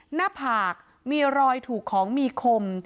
หน้าผากมีรอยถูกของมีคม